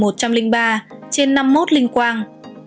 năm trăm linh ba trên năm mươi một linh quang